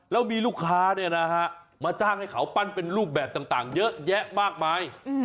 แล้วมีลูกค้ามาจ้างให้เขาปั้นเป็นรูปแบบต่างเยอะแยะมากมาย